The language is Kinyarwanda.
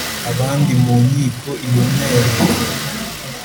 abandi mu nkiko intumwa ya Leta